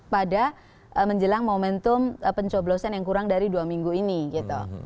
pada menjelang momentum pencoblosan yang kurang dari dua minggu ini gitu